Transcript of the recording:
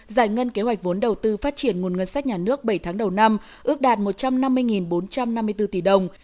giải ngân kế hoạch vốn đầu tư phát triển nguồn ngân sách nhà nước bảy tháng đầu năm ước đạt một trăm năm mươi bốn trăm năm mươi bốn tỷ đồng